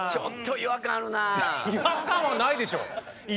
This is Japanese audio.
違和感はないでしょ！